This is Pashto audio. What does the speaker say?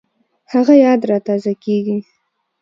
هغه یاد را تازه کېږي